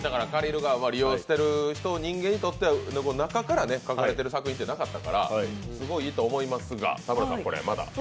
借りる側、利用している人間にとっては中から描かれてる作品ってなかったから、すごいいいと思いますが。